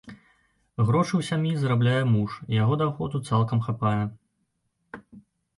Грошы ў сям'і зарабляе муж, яго даходу цалкам хапае.